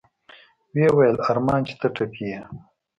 ويې ويل ارمان چې ته ټپي يې.